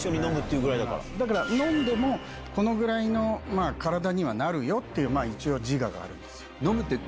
飲んでもこのぐらいの体にはなるよ！っていう一応自我があるんです。